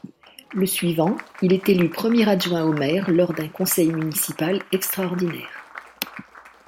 Le suivant, il est élu premier adjoint au maire lors d'un conseil municipal extraordinaire.